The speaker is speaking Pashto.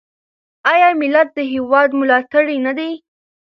آیا ملت د هیواد ملاتړی نه دی؟